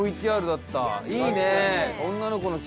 いいね。